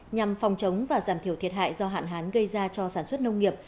nhằm phòng chống và giảm thiểu thiệt hại do hạn hán gây ra cho sản xuất nông nghiệp